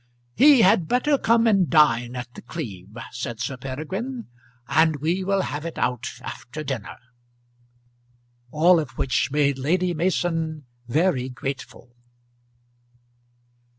"He had better come and dine at The Cleeve," said Sir Peregrine, "and we will have it out after dinner." All of which made Lady Mason very grateful.